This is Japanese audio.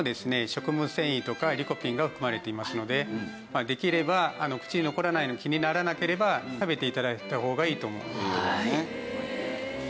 食物繊維とかリコピンが含まれていますのでできれば口に気にならなければ食べて頂いた方がいいと思いますね。